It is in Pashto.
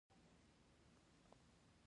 مصنوعي ځیرکتیا د سیالۍ بڼه بدلوي.